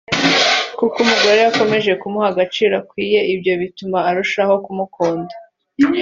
kuko umugore yakomeje kumuha agaciro akwiye ibyo bituma arushaho kumukunda